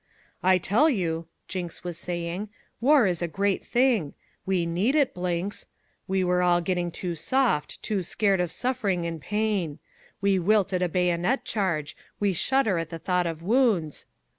"I tell you," Jinks was saying, "war is a great thing. We needed it, Blinks. We were all getting too soft, too scared of suffering and pain. We wilt at a bayonet charge, we shudder at the thought of wounds.